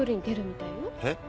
えっ！？